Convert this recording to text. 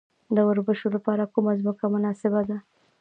د وربشو لپاره کومه ځمکه مناسبه ده؟